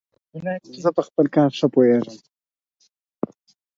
زه په خپل کار ښه پوهیژم.